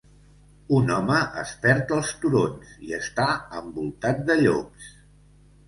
Un home es perd als turons i està envoltat de llops.